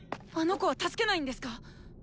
あの子は助けないんですか？